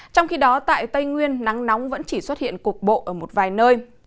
trong khi đó tại tây nguyên nắng nóng vẫn chỉ xuất hiện cục bộ ở một vài nơi